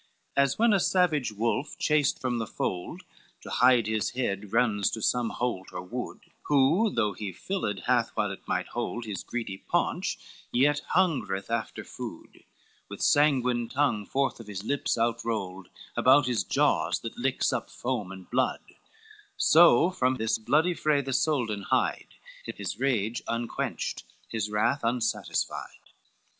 II As when a savage wolf chased from the fold, To hide his head runs to some holt or wood, Who, though he filled have while it might hold His greedy paunch, yet hungreth after food, With sanguine tongue forth of his lips out rolled About his jaws that licks up foam and blood; So from this bloody fray the Soldan hied, His rage unquenched, his wrath unsatisfied.